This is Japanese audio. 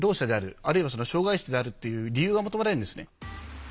あるいは障害者であるっていう理由が求められるんですね。